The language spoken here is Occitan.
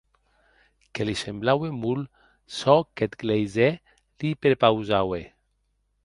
Que li semblaue molt, çò qu’eth gleisèr li prepausaue.